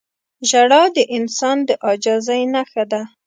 • ژړا د انسان د عاجزۍ نښه ده.